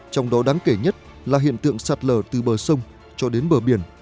trong đó đáng kể nhất là hiện tượng sạt lở từ bờ sông cho đến bờ biển